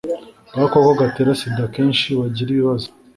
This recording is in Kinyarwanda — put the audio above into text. bw'agakoko gatera sida akenshi bagira ibibazo